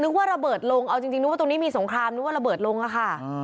ว่าระเบิดลงเอาจริงนึกว่าตรงนี้มีสงครามนึกว่าระเบิดลงอะค่ะ